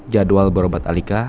jadwal berobat alika